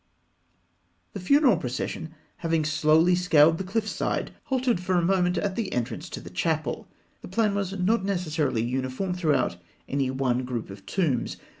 ] The funeral procession, having slowly scaled the cliff side, halted for a moment at the entrance to the chapel. The plan was not necessarily uniform throughout any one group of tombs.